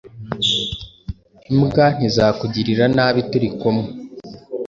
Imbwa ntizakugirira nabi turi kumwe